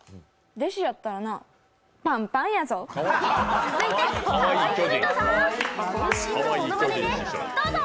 弟子やったらな、パンパンやぞ。